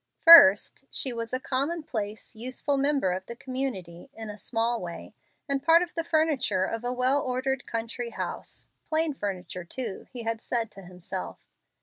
First, she was a commonplace, useful member of the community, in a small way, and part of the furniture of a well ordered country house plain furniture too, he had said to himself.